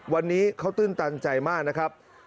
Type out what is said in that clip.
วันนี้เขาตื้นตันใจมากนะครับ